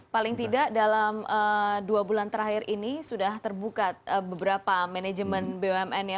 paling tidak dalam dua bulan terakhir ini sudah terbuka beberapa manajemen bumn ya